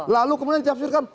lalu kemudian dicapuskan